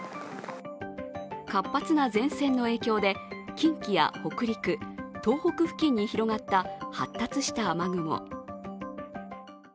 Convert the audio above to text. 活発な前線の影響で近畿や北陸、東北付近に広がった発達した雨雲。